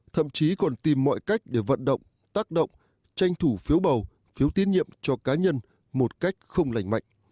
thậm chí còn tìm mọi cách để vận động tác động tranh thủ phiếu bầu phiếu tín nhiệm cho cá nhân một cách không lành mạnh